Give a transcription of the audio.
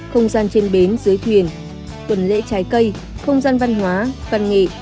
không gian trên bến dưới thuyền tuần lễ trái cây không gian văn hóa văn nghệ